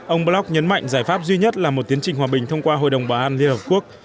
ông block nhấn mạnh giải pháp duy nhất là một tiến trình hòa bình thông qua hội đồng bảo an liên hợp quốc